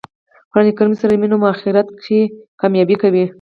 قران کریم سره مینه مو آخرت کښي کامیابه کوي.